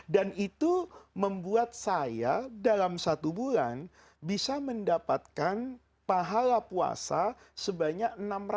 dan itu membuat saya dalam satu bulan bisa mendapatkan pahala puasa sebanyak enam ratus tiga puluh